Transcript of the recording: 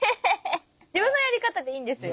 自分のやり方でいいんですよね？